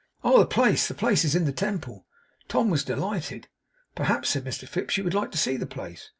'Oh, the place! The place is in the Temple.' Tom was delighted. 'Perhaps,' said Mr Fips, 'you would like to see the place?